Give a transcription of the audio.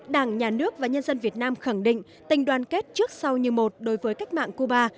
đảng nhà nước và nhân dân việt nam khẳng định tình đoàn kết trước sau như một đối với cách mạng cuba